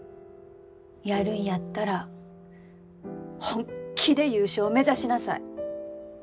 やるんやったら本気で優勝目指しなさい。